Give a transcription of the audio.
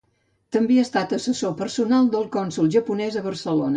També ha estat assessor personal del cònsol japonès a Barcelona.